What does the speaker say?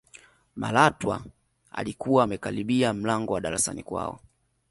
malatwa alikuwa amekaribia mlango wa darasani kwao